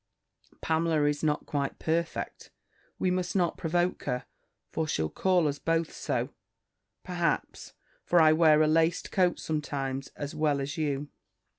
"Pamela is not quite perfect. We must not provoke her; for she'll call us both so, perhaps; for I wear a laced coat, sometimes, as well as you."